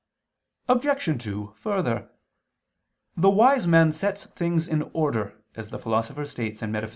Obj. 2: Further, "The wise man sets things in order," as the Philosopher states (Metaph.